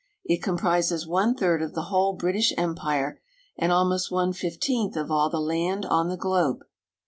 It comprises one third of the whole British empire, and almost one fifteenth of all the land on the globe.